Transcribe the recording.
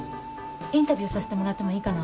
インタビューさせてもらってもいいかな？